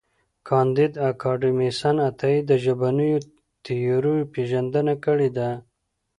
کانديد اکاډميسن عطایي د ژبنیو تیورۍ پېژندنه کړې ده.